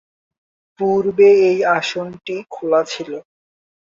পূর্বে এই আসনটি খোলা ছিল।